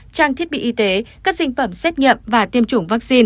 trang thiết bị y tế các sinh phẩm xét nghiệm và tiêm chủng vaccine